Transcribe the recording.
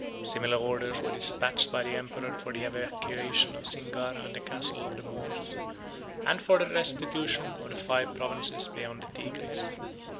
126 Similar orders were despatched by the emperor for the evacuation of Singara and the castle of the Moors; and for the restitution of the five provinces beyond the Tigris.